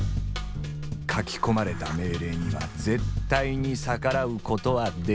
書き込まれた命令には絶対に逆らうことはできない。